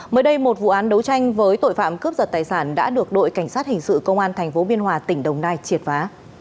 mới đây một vụ án đấu tranh với tội phạm cướp giật tài sản đã được đội cảnh sát hình sự công an tp biên hòa tỉnh đồng nai triệt phá